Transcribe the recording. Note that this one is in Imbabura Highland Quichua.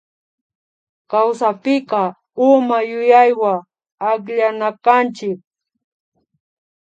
Kawsapika uma yuyaywa akllanakanchik